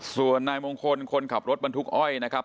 ส่วนนายมงคลคนขับรถบรรทุกอ้อยนะครับ